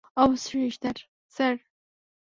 অবশ্যই sir, sir?